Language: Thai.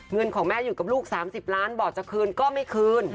เงินของแม่อยู่กับลูก๓๐ล้านบอกจะคืนก็ไม่คืน